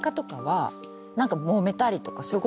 何かもめたりとか。